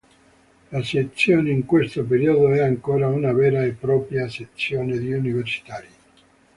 La sezione in questo periodo è ancora una vera e propria sezione di universitari.